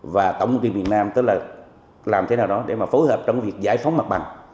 và tổng công ty liên hiệp nam làm thế nào đó để phối hợp trong việc giải phóng mặt bằng